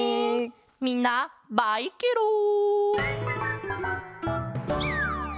みんなバイケロン！